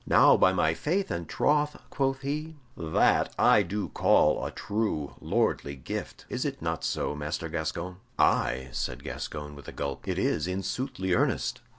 "Now, by my faith and troth," quoth he, "that I do call a true lordly gift. Is it not so, Master Gascoyne?" "Aye," said Gascoyne, with a gulp, "it is, in soothly earnest."